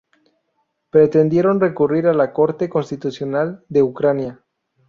Pretendieron recurrir a la Corte Constitucional de Ucrania.